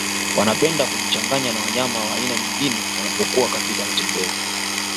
Wanapenda kujichanganya na wanyama wa aina nyingine wanapokuwa katika matembezi